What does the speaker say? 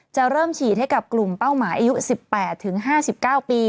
จะเริ่มฉีดให้กับกลุ่มเป้าหมายอายุ๑๘๕๙ปี